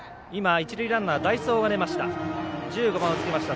一塁ランナー代走が出ました。